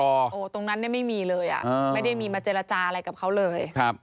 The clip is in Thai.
โอ้โหตรงนั้นไม่มีเลยไม่ได้มีมาเจรจาอะไรกับเขาเลย